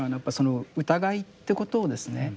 疑いってことをですね